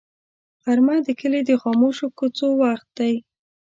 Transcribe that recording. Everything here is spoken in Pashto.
غرمه د کلي د خاموشو کوڅو وخت دی